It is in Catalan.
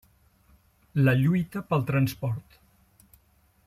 La lluita pel transport.